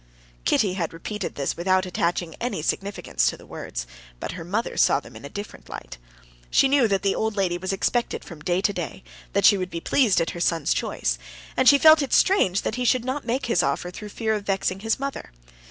Kitty had repeated this without attaching any significance to the words. But her mother saw them in a different light. She knew that the old lady was expected from day to day, that she would be pleased at her son's choice, and she felt it strange that he should not make his offer through fear of vexing his mother.